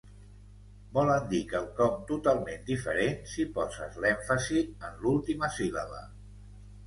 Volen dir quelcom totalment diferent si poses l'èmfasi en l'última síl·laba.